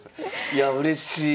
いやうれしい。